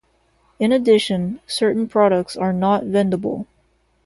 In addition, certain products are not vendible.